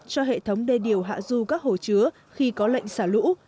cho hệ thống đê điều hạ du các hồ chứa khi có lệnh xả lũ